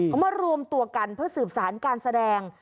เขามารวมตัวกันเพื่อสืบสารการแสดง